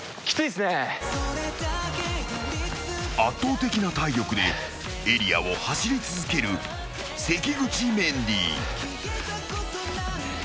［圧倒的な体力でエリアを走り続ける関口メンディー］